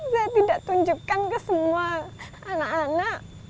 saya tidak tunjukkan ke semua anak anak